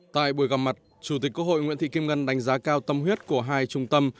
tại buổi gặp mặt chủ tịch quốc hội nguyễn thị kim ngân đánh giá cao tâm huyết của hai trung tâm